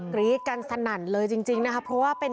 เขาเป็น